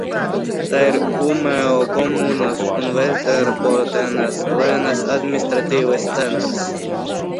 Tā ir Ūmeo komūnas un Vesterbotenas lēnes administratīvais centrs.